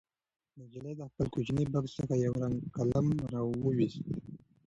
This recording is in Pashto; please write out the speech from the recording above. نجلۍ د خپل کوچني بکس څخه یو رنګه قلم راوویست.